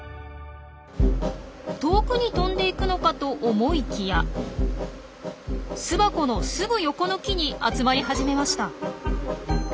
遠くに飛んでいくのかと思いきや巣箱のすぐ横の木に集まり始めました。